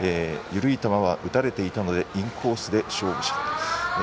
緩い球は打たれていたのでインコースで勝負しろ。